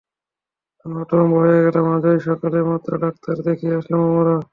আমি হতভম্ব হয়ে গেলাম, আজই সকালে মাত্র ডাক্তার দেখিয়ে আসলাম আমরা।